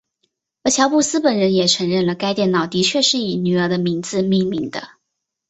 而乔布斯本人也承认了该电脑的确是以女儿的名字命名的。